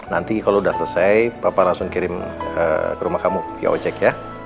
nanti kalau sudah selesai papa langsung kirim ke rumah kamu via ojek ya